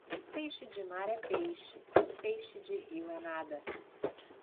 Peixe de mar é peixe, peixe de rio é nada.